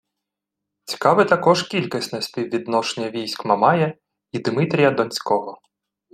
Цікаве також кількісне співвідношення військ Мамая і Димитрія Донського